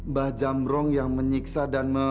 mbah jamrong yang menyiksa dan